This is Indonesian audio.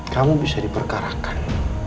kamu bisa diperkarakan